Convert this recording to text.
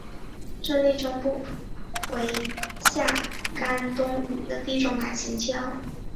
智利中部则为夏干冬雨的地中海型气候。